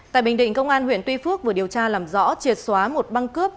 tại bình định công an huyện tuy phước vừa điều tra làm rõ triệt xóa một băng cướp